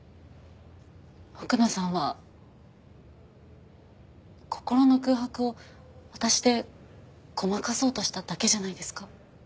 奥野さんは心の空白を私でごまかそうとしただけじゃないですか？